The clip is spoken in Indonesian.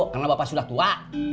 karena bapak sudah tua